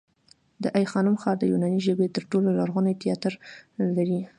د آی خانم ښار د یوناني ژبې تر ټولو لرغونی تیاتر لري